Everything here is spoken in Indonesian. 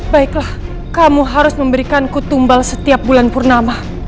baiklah kamu harus memberikanku tumbal setiap bulan purnama